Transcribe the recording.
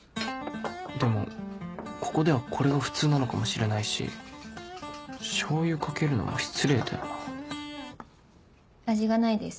でもここではこれが普通なのかもしれないし醤油かけるのも失礼だよな味がないです。